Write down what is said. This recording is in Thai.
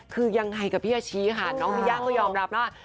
คือยังไงกับพี่อาชีค่ะน้องนิยาก็ยอมรับว่า